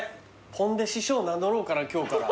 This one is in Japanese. ぽんで師匠名乗ろうかな今日から。